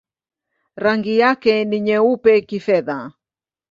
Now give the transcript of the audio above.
Rangi yake ni nyeupe-kifedha.